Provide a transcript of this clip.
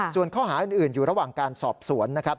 ส่วนข้อหาอื่นอยู่ระหว่างการสอบสวนนะครับ